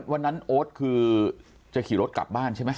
วันนั้นโอ๊ตคือจะขี่รถกลับบ้านใช่ไหม